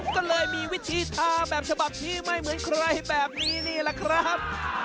ก็เลยมีวิธีทาแบบฉบับที่ไม่เหมือนใครแบบนี้นี่แหละครับ